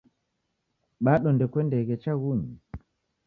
Bado ndekuendeghe chaghunyi?